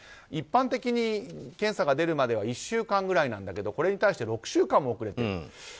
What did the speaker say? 一般的に検査が出るまでは１週間ぐらいなんだけどこれに対して６週間も遅れている。